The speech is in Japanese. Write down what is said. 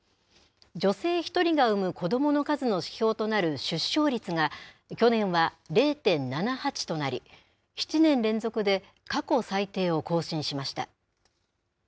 女性１人が産む子どもの数の指標となる出生率が、去年は０．７８となり、７年連続で過去最低を更新しました。